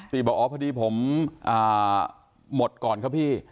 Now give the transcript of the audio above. บอกอ๋อพอดีผมหมดก่อนครับพี่